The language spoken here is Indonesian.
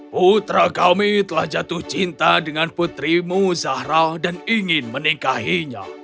putra kami telah jatuh cinta dengan putrimu zahral dan ingin menikahinya